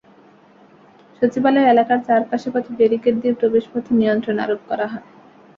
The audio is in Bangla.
সচিবালয় এলাকার চারপাশের পথে ব্যারিকেড দিয়ে প্রবেশপথে নিয়ন্ত্রণ আরোপ করা হয়।